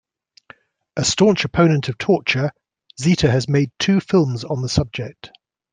A staunch opponent of torture, Zita has made two films on the subject.